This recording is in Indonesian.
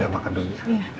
makan dulu ya